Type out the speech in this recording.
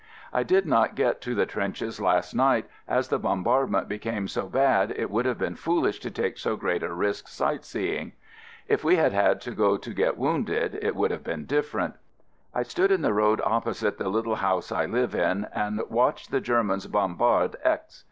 I did not get to the trenches last night, as the bombardment became so bad it would have been foolish to take so great a risk sight seeing. If we had had to go to get wounded, it would have been differ ent. I stood in the road opposite the little house I live in and watched the Germans bombard X